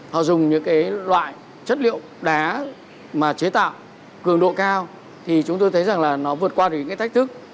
họ dùng những loại chất liệu đá mà chế tạo cường độ cao thì chúng tôi thấy rằng là nó vượt qua được những thách thức